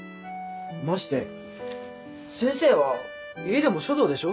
まして先生は家でも書道でしょ？